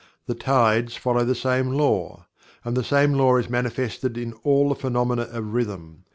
The tides follow the same Law. And the same Law is manifested in all the phenomena of Rhythm.